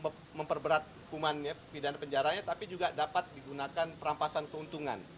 untuk memperberat hukumannya pidana penjaranya tapi juga dapat digunakan perampasan keuntungan